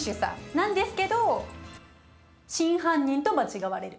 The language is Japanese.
なんですけど真犯人と間違われる。